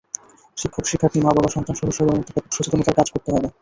শিক্ষক, শিক্ষার্থী, মা-বাবা, সন্তানসহ সবার মধ্যে ব্যাপক সচেতনতার কাজ করতে হবে।